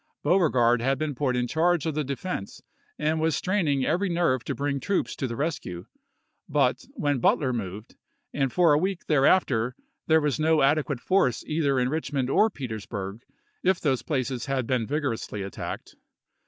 Beauregard had been put in charge of the defense and was straining every nerve to bring troops to the rescue ; but when Butler moved, and for a week thereafter, there was no adequate force either in Richmond or Petersburg, if those places had been vigorously attacked.